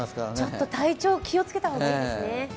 ちょっと体調気をつけた方がいいですね。